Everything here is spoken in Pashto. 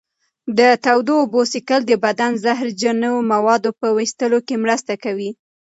د تودو اوبو څښل د بدن د زهرجنو موادو په ویستلو کې مرسته کوي.